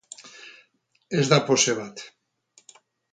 Ez da pose bat.